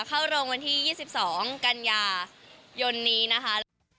เข้าโรงวันที่๒๒กันยายนนี้นะคะ